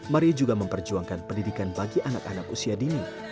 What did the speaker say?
maria juga memperjuangkan pendidikan bagi anak anak usia dini